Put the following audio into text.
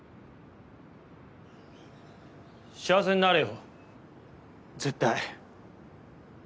幸せになれよ絶対。